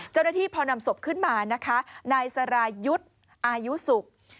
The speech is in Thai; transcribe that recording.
เจ้าหน้าที่พอนำศพขึ้นมานะคะนายสรายุทธ์อายุสุก